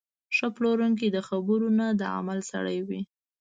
ښه پلورونکی د خبرو نه، د عمل سړی وي.